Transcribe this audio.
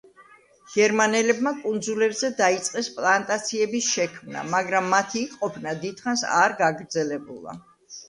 გერმანელებმა კუნძულებზე დაიწყეს პლანტაციების შექმნა, მაგრამ მათი იქ ყოფნა დიდხანს არ გაგრძელებულა.